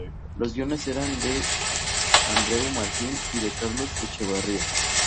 Los guiones eran de Andreu Martín y de Carlos Echevarría.